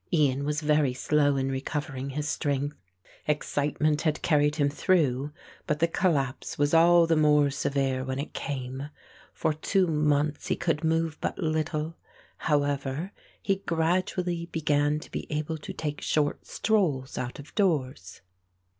Ian was very slow in recovering his strength. Excitement had carried him through, but the collapse was all the more severe when it came. For two months he could move but little; however, he gradually began to be able to take short strolls out of doors.